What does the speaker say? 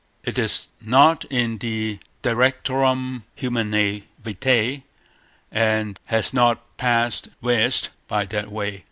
It is not in the Directorium Humanae Vitae, and has not passed west by that way.